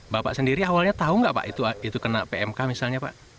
bapak sendiri awalnya tahu nggak pak itu kena pmk misalnya pak